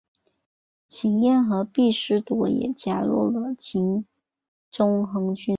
秦彦和毕师铎也加入了秦宗衡军。